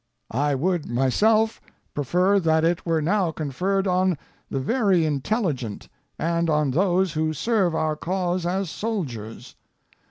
I would myself prefer that it were now conferred on the very intelligent, and on those who serve our cause as soldiers.